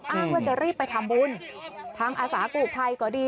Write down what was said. อ้างว่าจะรีบไปทำบุญทั้งอาสากูภัยก็ดี